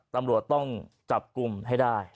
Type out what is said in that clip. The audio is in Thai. ตำรวจต้องจับกลุ่มให้ได้